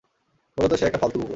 মূলত সে একটা ফালতু কুকুর।